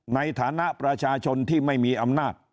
ในฐานะประชาชนที่ไม่มีอำนาจ